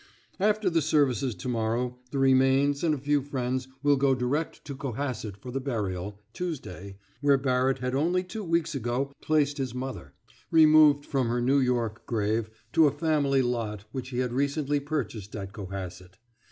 After the services to morrow, the remains and a few friends will go direct to Cohasset for the burial Tuesday where Barrett had only two weeks ago placed his mother, removed from her New York grave to a family lot which he had recently purchased at Cohasset.